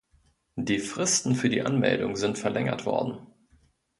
Die Fristen für die Anmeldung sind verlängert worden.